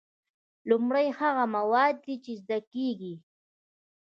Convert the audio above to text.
لومړی هغه مواد دي چې زده کیږي.